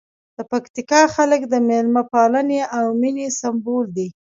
د پکتیکا خلک د مېلمه پالنې او مینې سمبول دي.